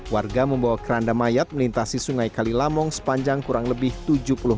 warga membawa keranda mayat melintasi sungai kalilamong sepanjang kurang lebih tujuh puluh meter